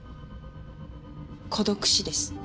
孤独死です。